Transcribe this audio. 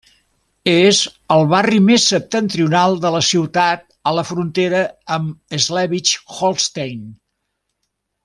És el barri més septentrional de la ciutat a la frontera amb Slesvig-Holstein.